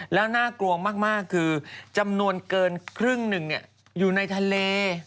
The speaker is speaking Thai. แล้วน่ากลัวมากคือจำนวนเกินครึ่งหนึ่งอยู่ในทะเล